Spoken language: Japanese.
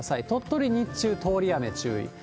鳥取、日中、通り雨注意。